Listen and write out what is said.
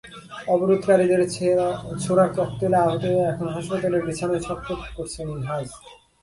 অবরোধকারীদের ছোড়া ককটেলে আহত হয়ে এখন হাসপাতালের বিছানায় ছটফট করছে মিনহাজ।